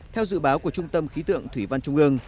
theo dự báo của trung tâm khí tượng thủy văn trung ương